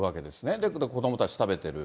で、これを子どもたち食べてる。